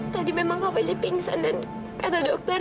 tadi memang kak fadil pingsan dan kata dokter